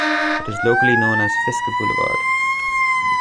It is locally known as Fiske Boulevard.